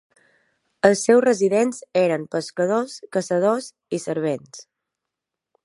Els seus residents eren pescadors, caçadors i servents.